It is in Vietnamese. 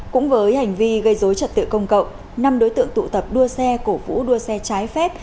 cũng với hành vi gây dối trật tự công cộng năm đối tượng tụ tập đua xe cổ vũ đua xe trái phép